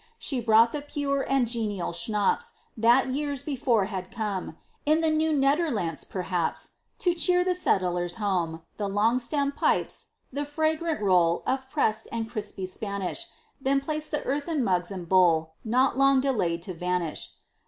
She brought the pure and genial schnapps, That years before had come In the "Nieuw Nederlandts," perhaps To cheer the settlers' home; The long stemmed pipes; the fragrant roll Of pressed and crispy Spanish; Then placed the earthen mugs and bowl, Nor long delayed to vanish.